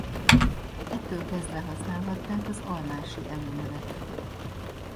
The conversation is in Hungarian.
Ettől kezdve használhatták az almási előnevet.